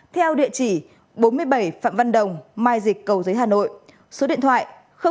theo địa chỉ bốn mươi bảy phạm văn đồng mai dịch cầu giới hà nội số điện thoại chín trăm một mươi ba hai trăm ba mươi ba bốn trăm sáu mươi tám